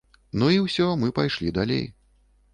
Ну і ўсё, мы пайшлі далей.